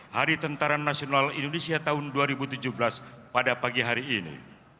hari tentara nasional indonesia tahun dua ribu tujuh belas pada pagi hari ini